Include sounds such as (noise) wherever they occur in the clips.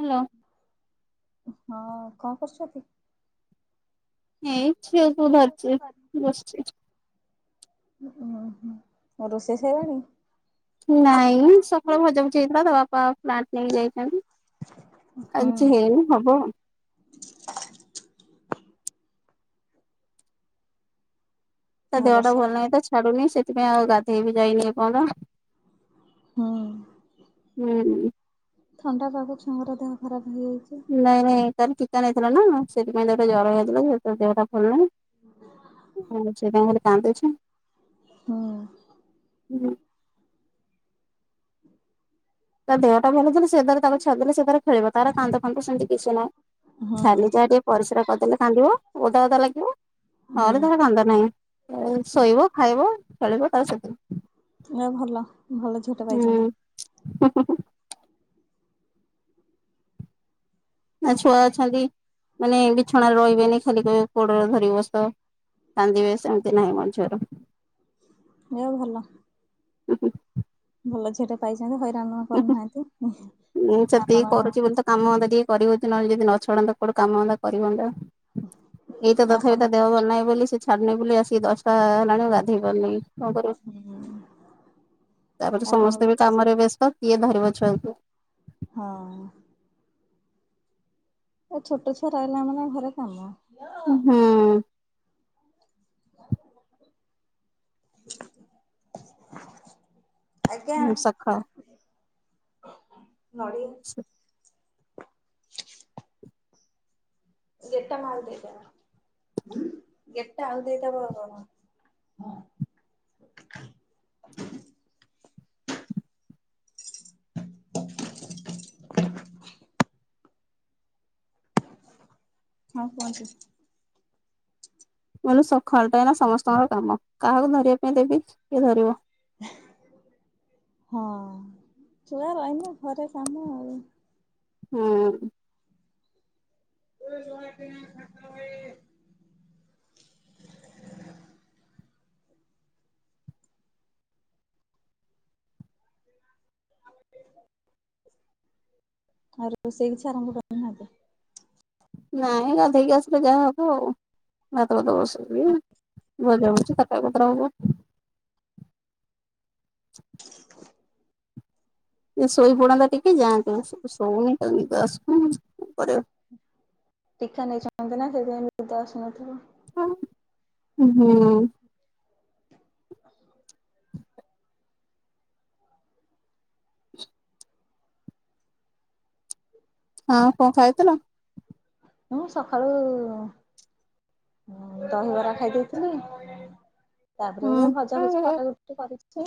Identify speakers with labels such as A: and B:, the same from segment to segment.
A: Hello.
B: ହଁ କଣ କରୁଛନ୍ତି?
A: ଏଇଁ ଝିଅକୁ ଧରିଛି ବସିଛି।
B: ଉଁ ହ ଆଉ ରୋଷେଇ ସରିଲାଣି।
A: ନାଇଁ ସକାଳୁ ଭଜାକୁୁ ଯାଇଥିଲା ତ ବାପା ଫ୍ଲାଟ ନେଇକି ଯାଇଛନ୍ତି।
B: ହୁଁ
A: ଆଜି ହେଇନି ହବ ଆଉ। ତା
B: ଆଉ
A: ଦେହ ଟା
B: ବର୍ଷା
A: ଭଲ ନାହିଁ ତ ଛାଡୁନି ସେଥିପାଇଁ ଆଉ ଗାଧେଇବି ଯାଇନିପଣ।
B: ହୁଁ
A: ହୁଁ।
B: ଥଣ୍ଡା ପାବକୁ ଛୁଆଙ୍କର ଦେହ ଖରାପ ହେଇଯାଇଛି।
A: ନାଇଁ ନାଇଁ ତାର ଠିକା ନଥିଲା ନା ସେଥିପାଇତାକୁ ଜର ହେଇଥିଲା ସେ ଦେହଟା ଭଲଣି। ଆଛା ଝିଅଟା ଖାଲି କାନ୍ଦୁଛି।
B: ହୁଁ ହୁଁ (inaudible)
A: ତା ଦେହଟା ଭଲ ଥିଲା ସେରେ ତାକୁ ଛାଦଲେ ସେଥି ଖଳିବ ତାର କାନ୍ଦ ଫାନ୍ ସେମତି କିଛି ନାହିଁ।
B: ହୁଁ
A: ଖାଲି ଯାହା ଟିକେ ପରିସ୍ରା କରିଦେଲେ କାନ୍ଦିବ ଓଦା ଓଦା ଲାଗିବ।
B: ହୁଁ
A: ନହେଲେ ତାର କାନ୍ଦ ନାହିଁ ଶୋଇବ ଖାଇବ ଖେଳିବ ତାର
B: ଏ ଭଲ ଭଲ ଝିଅଟା ପାଇଛନ୍ତି।
A: ଓ ହୋ। ନା ଛୁଆ ଅଛନ୍ତି ମାନେ ବିଛଣାରେ ରହିବେନି ଖାଲି କହିବେ କୋଡରେ ଧର ବସ କାନ୍ଦିବେ ସେମିତି ନାହିଁ (unintelligible)
B: ଦେ ଭଲ
A: ହୁଁ ହୁଁ।
B: ଭଲ ଝିଅଟେ ପାଇଛନ୍ତି ହଇରାଣ କରୁନାହାନ୍ତି।
A: ହଁ
B: ଆପଣ
A: ସେତିକି କରୁଚି ବୋଲି ତ କାମ ଧନ୍ଦା ଟିକେ କରିହୋଉଚି ନହଲେ ଯଦି ନଛଡନ୍ତା କୋଉଠି କାମ ଧନ୍ଦା କରିବ? ଏଇତ
B: ଆପଣ
A: ତଥାପି ତା ଦେହ ପାର ନାହିଁ ବୋଲି ସେ ଛାଡୁନି ବୋଲି ଆସିକି ଦଶଟା ହେଲାଣି ଗାଧେଇ ପାରନି।
B: ହୁଁ
A: ତାପରେ ସମସ୍ତେ ବି କାମରେ ବ୍ୟସ୍ତ କିଏ ଧରିବ ଛୁଆଙ୍କୁ।
B: ହଁ। ଏ ଛୋଟ ଛୁଆ ରହିଲା ମାନ ଘରେ କାମ
A: ହୁଁ।
B: ଆଜ୍ଞା
A: ହୁଁ ସକାଳ
B: କି
A: ସ
B: ଗେଟା ମା ଆଉକୁ ଦେଇଦବା ଗେଟା ଆଉ ଦେଇଦବ ଆଉ କଣ ହଁ କୁହନ୍ତୁ?
A: ମୁ ସକାଳ ଟା ଏ ନା ସମସ୍ତଙ୍କର କାମ କାହାକୁ ଧରିବା ପାଇଁ ଦେବି କିଏ ଧରିବ।
B: ହଁ ଛୁଆ ରହିଲେ ଘରେ କମ୍ କାମ।
A: ହୁଁ।
B: ଜ ଖାତା ବହି ଆଉ ରୋଷେଇ କିଛି ଆରମ୍ଭ କରିନାହା?
A: ନାଇଁ ଗାଧେଇକି ଆସିଲେ ଯାହା ହବ ଆଉ ଭାତ ଫାତ ବସେଇବି। ଭଜା (unintelligible) ତକରି ପତ୍ର ହେବ। ଶୋଇପଡ଼ନ୍ତା ଟିକେ ଯାଆନ୍ତୁ ଶୋଉନି ତ ନିଦ ଆସୁନି।
B: ଟୀକା ନେଇନ୍ତି ନା ସେଥିପାଇଁ ନିଦ ଆସୁନଥିବ।
A: ହଁ ହୁଁ। ହଁ କଣ ଖାଇଥିଲ?
B: ମୁଁ ସକାଳୁ ହ ଦହିବରା ଖାଇ ଦେଇେଇଥିଲି। ତାପରେ
A: ହୁଁ
B: ଏବେ ଭଜା ଭଜି କଟା କୁଟି କରିଛି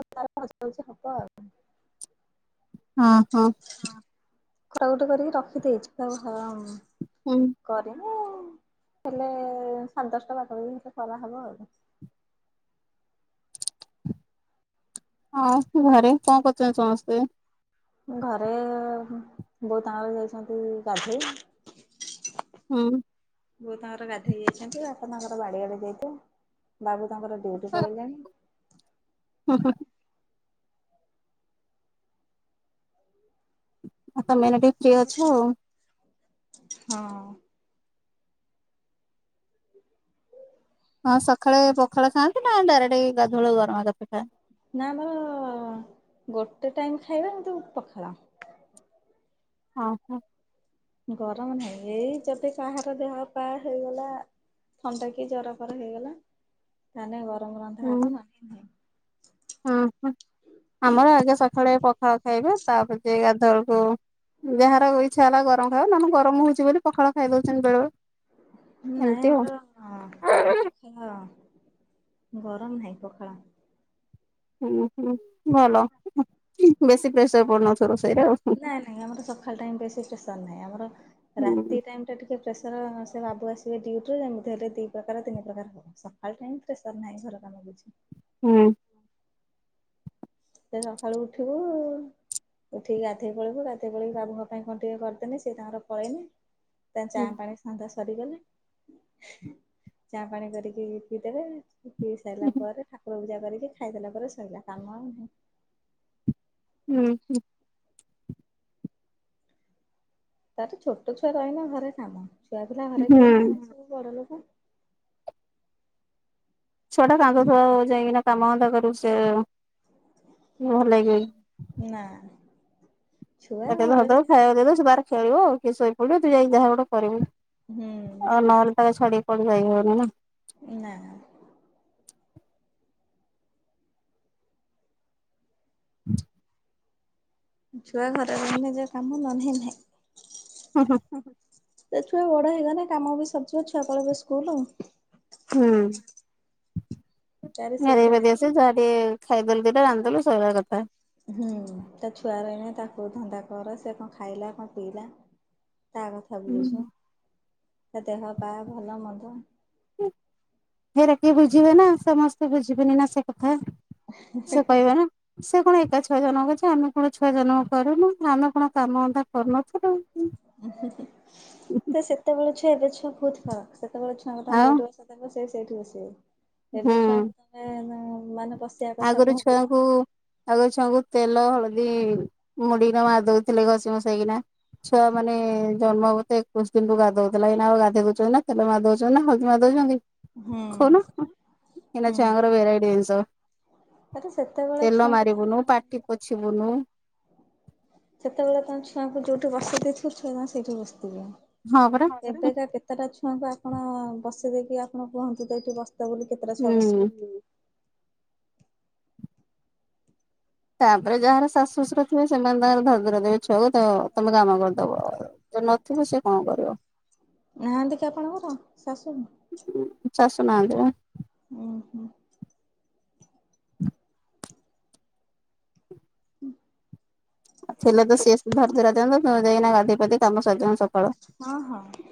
B: ଭଜା (inaudible) ଭଜି ହବ ଆଉ।
A: ହଁ ହଁ।
B: ହଁ କଟାକୁଟ କରିକି ରଖିଦେଇଛି। (unintelligible)
A: ହୁଁ।
B: କରିନୁ ହେଲେ ସାଢ଼େ ଦଶଟା ପାଖା ପାଖି ହେଲେ କରା ହେବ ଆଉ।
A: ହଁ ଘରେ କଣ କରୁଛନ୍ତି ସମସ୍ତେ?
B: ଘରେ ବୋଉ ତାଙ୍କର ଯାଇଛନ୍ତି ଗାଧୋଇ।
A: ହଁ।
B: ବୋଉ ତାଙ୍କର ଗାଧେଇ ଯାଇଛନ୍ତି ବାପା ତାଙ୍କର ବାଡ଼ିଆଡେ ଯାଇଥିଲେ ବାବୁ ତାଙ୍କର ଡ୍ୟୁଟି ପଳେଇଲୋଣି।
A: ହୁଁ ହୁଁ। (unintelligible) ଆଉ
B: ହଁ।
A: ହଁ ସକାଳେ ପଖାଳ ଖାଆନ୍ତି? ନା ଡାଇରେକ୍ଟ ଏଇ ଗାଧୁଳକୁ ଗରମ ଭାତ ଖାଆ
B: ନା ମ ଗୋଟେ ଟାଇମ୍ ଖାଇବା କିନ୍ତୁ ପଖାଳ।
A: ଓ ହୋ।
B: ଗରମ ନାହିଁ ଏଇ ଯଦି କାହାର ଦେହ ପା ହେଇଗଲା ଥଣ୍ଡା କି ଜର ଫର ହେଇଗଲା ତାନେ ଗରମ ରନ୍ଧା ହବ ନ ଅ ନେ ନାହିଁ।
A: ହୁଁ ହଁ ଆମର ଆଗେ ସକାଳେ ପଖାଳ ଖାଇବେ ତାପରେ ଯାଇ ଗାଧୁଆଳକୁ ଯାହାର ଇଚ୍ଛା ହେଲା ଗରମ ଖାଇବା ନହେଲେ ଗରମ ହଉଛି ବୋଲି ପଖାଳ ଖାଇ ଦଉଛନ୍ତି ବେଳେବେଳେ। ଏମିତି ଆଉ।
B: ନାଇଁ ଆମର ହଁ ଗରମ ନାହିଁ ପଖାଳ।
A: ହୁଁ ହୁଁ ଭଲ ବେଶୀ ପ୍ରେସର ପଡୁନଥିବ ରୋଷେଇରେ ଆଉ।
B: ନାଇଁ ନାଇଁ ଆମର ସକାଳ ଟାଇମ ବେଶୀ ପ୍ରେସର୍ ନାହିଁ ଆମର
A: ହୁଁ
B: ରାତି ଟାଇମ ଟିକେ ପ୍ରେସର ସେ ବାବୁ ଆସିବେ ଡି୍ୟୁଟିରୁ ଯେମତି ହେଲେ ଦୁଇ ପ୍ରକାର ତିନି ପ୍ରକାର ହେବ। ସକାଳ ଟାଇମ ଫ୍ରେସର ନାହିଁ ଘର କାମ କିଛି।
A: ହୁଁ।
B: ସେ ସକାଳୁ ଉଠିବୁ ଉଠିକି ଗାଧେଇ ପଲେଇବୁ ଗାଧୋଇ ପଳେଇ ବାବୁଙ୍କ ପାଇଁ କଣ୍ ଟିକେ କରିଦେନେ ସିଏ ତାଙ୍କର ପଳେଇବେ। ତା ଚା
A: ହୁଁ
B: ପାଣି ଧନ୍ଧା ସରିଗଲେ ଚା ପାଣି କରିକି ପିଇଦେବେ। ପିଇ ସାରିଲା ପରେ ଠାକୁର ପୂଜା କରିକି ଖାଇଦେଲା ପରେ ଶୋଇଲା କାମ ଆଉ ନାହିଁ।
A: ଉ ହୁଁ।
B: ତାର ଛୋଟ ଛୁଆ ରହିଲ ଘରେ କାମ ଛୁଆ ପିଲା ଘରେ କେହି
A: ହୁଁ।
B: ନାହାନ୍ତି ସବୁ ବଡ ଲୋକ।
A: ଛୁଆଟା କାନ୍ଦୁ ଥିବ ଆଉ ଯାଇକିନା କାମ ଧନ୍ଦା କରିବୁ ସେ ଭଲ ଲାଗିବ କି?
B: ନାଇ।
A: ତତେ ଯାହା ଦେବ ଖାଇବାକୁ ଦେଇଦବ ସେ ତାର ଖେଳିବ ଆଉ ଟିକେ ଶୋଇ ପଡିବ ତୁ ଯାଇକି ଯାହା ଗୋଟେ କରିବୁ।
B: ହୁଁ
A: ଆଉ ନହେଲେ ତା ଛଡେଇ ପଡି ପାରିବନି ନା?
B: ନାଁ ନା।
A: ହୁଁ
B: ଛୁଆ ଘର ନିଜର କାମ ନହନେ ନାଇ।
A: ହୁଁ ହୁଁ।
B: ଓହୋ ସେ ଛୁଆ ବଡ ହେଇଗଲେ କାମ ବି ସରିଯିବ ଛୁଆ ପଳେଇବେ ସ୍କୁଲ ଆଉ।
A: ହଁ
B: ତାର ସେ
A: ଗାଧେଇ
B: ଗୋଟେ
A: ପାଧେଇ
B: ଲାଇନ
A: ଆସି ଯାହା ଟିକେ ଖାଇଦେଲେ ଦିଟା ବାନ୍ଧିଦେଲେ ସୋଇବା କଥା।
B: ହୁଁ ତା ଛୁଆ ରହିନେ ତାକୁ ଧନ୍ଦା କର ସେ କଣ ଖାଇଲା କଣ ପିଇଲା। ତା କଥା ବୁଝୁ ତା ଦେହ ପା ଭଲ ମନ୍ଦ
A: ଫେର କି ବୁଝିବେ ନା ସମସ୍ତେ ବୁଝିବେନି ନା ସେ କଥା। ସେ କହିବ ନା ସେ କଣ ଏକା ଛୁଆ ଜନମ କରିଚିଛି ଆମେ କଣ ଛୁଅ ଜଣ କରୁନୁ ଆମେ କଣ କାମ ଅନ୍ଧା କରୁନଥିଲୁ।
B: ହୁୁଁ ତ ସେତେବେଳେ ଛୁଆ ଏବେ ଛୁଆ ବହୁତ ଫରକ ସେତେବେଳେ ଛୁଆଙ୍କୁ
A: ଆଉ
B: ଯୋଉଠି ସେ ସେଇଠି ବସିବ
A: ହୁଁ
B: ଏବେ ଛୁଆଙ୍କୁ ତମେ ମାନେ ବସ
A: ଆଗରୁ ଛୁଆଙ୍କୁ ଆଗ ଛୁଆଙ୍କୁ ତେଲ ହଳଦୀ ମୁଡିିକିନା ମାରି ଦଉଥିଲେ ଘଷି ଘୂସା କିନା। ଛୁଆ ମାନେ ଜନ୍ମ ହେ ଏକୋଇଶ ଦିନକୁୁ ଗାଧଉଥିଲା ଏଇନା ଆଉ ଗାଧୋଇ ଦଉଛନ୍ତି ନା ତେଲ ମାରିଦଉଛନ୍ତି ନା ହଳଦୀ ମାରିଦଉଛନ୍ତି।
B: ହୁଁ
A: କହୁନ ଏଇ ନାକ ଛୁଆଙ୍କର ଭେରାଇଟି ଜିନିଷ।
B: ଆରେ ସେତେବେଳେ
A: ତେଲ
B: ଛୁଆଙ୍କୁ
A: ମାରିବୁନୁ
B: ତାହନେ
A: ପାଟି ପୋଛିବୁନୁ
B: ସେତେବେଳେ ତାଙ୍କ ଛୁଆଙ୍କୁ ଯୋଉଠି ବସେଇ ଦେଇଥିବେ ଛୁଆ ମାନେ ସେଇଠି ବସିଥିବେ।
A: ହଁ ପରା।
B: ଏବେକା କେତେଟା ଛୁଆଙ୍କୁ ଆପଣ ବସେଇ ଦେଇକି ଆପଣ କୁହନ୍ତୁ ତଇଠି ବସ୍ତା ବୋଳିକ। କେତେଟା ଛୁଆ
A: ହୁଁ।
B: ବସିବେ।
A: ତାପରେ ଯାହାର ଶାଶୁ ଶ୍ୱଶୁରଥିବ ସେମାନେ ତାଙ୍କର ଧରି ଧୁରା ଦେବେ ଛୁଆକୁ ତମେ କାମ କରିଦବ। ଯିଏ ନଥିବ ସେ କଣ କରିବ।
B: ନାହାନ୍ତି କି ଆପଣଙ୍କର ଶାଶୁ?
A: ଶାଶୁ ନାହାନ୍ତିପା
B: ଉ ହୁଁ। ହୁଁ।
A: ଆଉ ଥିଲେ ତ ସିଏ ଧରି ଧୂରା ଦିଅନ୍ତେ ତମେ ଯାଇକିନା ଗାଧୋଇ ପାଧୋଇ କାମ ସାରି ଦିଆନ୍ତ୍ ସକାଳ
B: ହଁ ହଁ।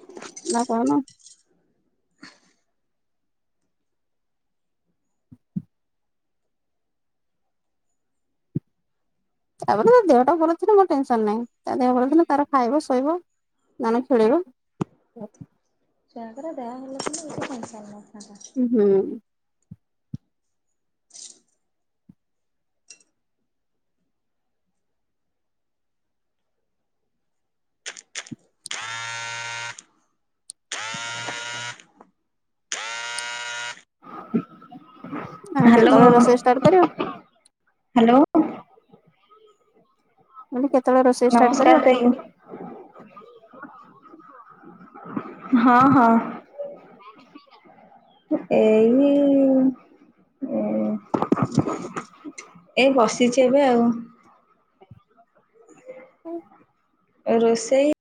A: ନା କଣ? ତାପରେ ଦେହଟା ଭଲ ଥିଲା ମୋର ଟେନସନ ନାହିଁ ତା ଦେହ ଭଲ ଥିଲା ତାର ଖାଇବ ଶୋଇବ ନ ହେଲେ ଖେଳିବ।
B: ସେୟା ପରା ଦେହ ଭଲ ଥିଲେ ଗୋଟେ ଟେନସନ୍ ନାହିଁ କାହାର
A: ହୁଁ
B: (inaudible)
A: ଆଉ
B: ହ୍ୟାଲୋ
A: କେତେବେଳେ ରୋଷେଇ ଷ୍ଟାର୍ଟ କରିବ?
B: ହ୍ୟାଲୋ
A: ହେଲେ କେତେବେଳେ ରୋଷେଇ ଷ୍ଟାର୍ଟ
B: ନମସ୍କାର
A: କରିବ?
B: ଦେଇ। ହଁ ହଁ ଏଇ ଉଉଁ ଏ ବସିଛି ଏବେ ଆଉ।
A: ଆଉ
B: ରୋଷେଇ